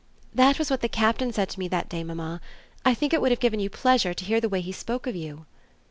"That was what the Captain said to me that day, mamma. I think it would have given you pleasure to hear the way he spoke of you."